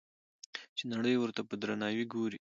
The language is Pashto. چې نړۍ ورته په درناوي ګوري.